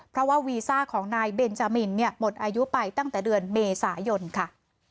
เพราะว่าวีซ่าของนายเบนจามินหมดอายุไปตั้งแต่เดือนเมษายนค่ะ